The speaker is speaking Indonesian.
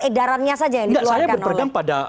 edarannya saja yang ditularkan oleh nggak saya berpegang pada